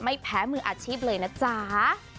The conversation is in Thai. ไม่แพ้มืออาชีพเลยนะจ๊ะ